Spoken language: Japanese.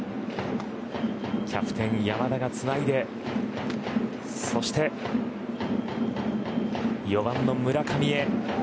キャプテン山田がつないでそして４番の村上へ。